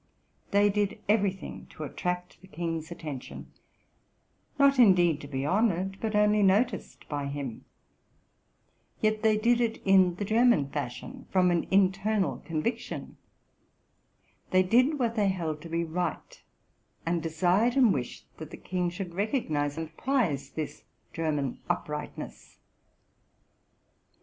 They did every thing to attract the king's attention, not indeed to be honored, but only noticed, by him ; yet they did it in German fashion, from an internal conviction ; they did what they held to be right, and desired and wished that the king should recognize and prize this German uprightness.